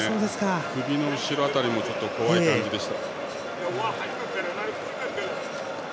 首の後ろ辺りも怖い感じでした。